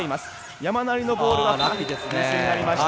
山なりのボールはミスになりました。